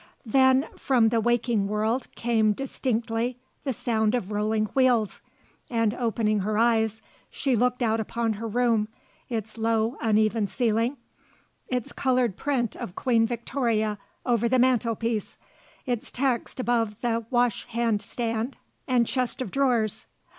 Then from the waking world came distinctly the sound of rolling wheels, and opening her eyes she looked out upon her room, its low uneven ceiling, its coloured print of Queen Victoria over the mantelpiece, its text above the washhand stand and chest of drawers.